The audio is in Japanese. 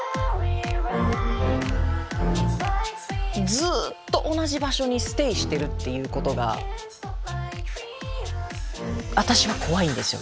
ずっと同じ場所にステイしてるっていうことが私は怖いんですよ